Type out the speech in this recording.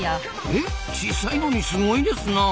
えっ小さいのにすごいですなあ！